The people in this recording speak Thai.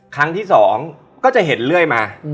ครั้งที่๒ก็จะเห็นเรื่อยมา